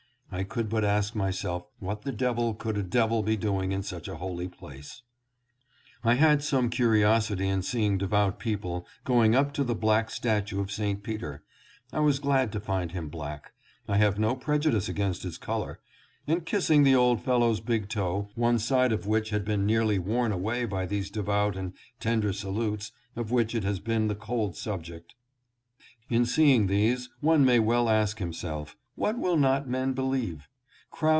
I could but ask myself what the devil could a devil be doing in such a holy place. I had some curiosity in seeing devout people going up to the black statue of St. Peter — I was glad to find him black; I have no prejudice against his color — and kissing the old fellow's big toe, one side of which has been nearly worn away by these devout and tender salutes of which it has been the cold subject. In seeing these, one may well ask himself, What will not men believe